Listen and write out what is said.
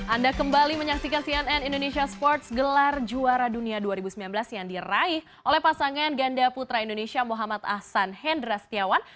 anda kembali menyaksikan cnn indonesia sports gelar juara dunia dua ribu sembilan belas yang diraih oleh pasangan ganda putra indonesia muhammad ahsan hendra setiawan